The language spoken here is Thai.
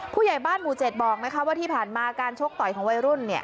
ผู้ใหญ่บ้านหมู่๗บอกว่าที่ผ่านมาการชกต่อยของวัยรุ่น